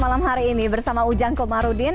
kita bahas malam hari ini bersama ujang komarudin